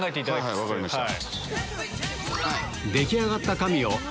はいはい分かりました。